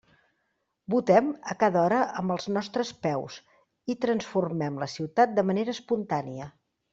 Votem a cada hora amb els nostres peus i transformem la ciutat de manera espontània.